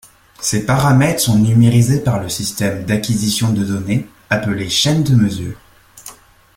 Ces paramètres sont numérisés par le système d'acquisition de données appelé chaîne de mesure.